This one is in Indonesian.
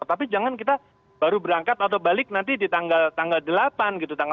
tapi jangan kita baru berangkat atau balik nanti di tanggal delapan gitu